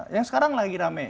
yang sekarang lagi rame